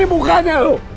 ini mukanya bu